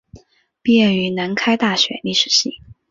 毕业于南开大学历史系。